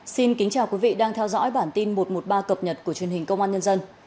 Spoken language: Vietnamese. xin kính chào quý vị đang theo dõi bản tin một trăm một mươi ba cập nhật của truyền hình công an nhân dân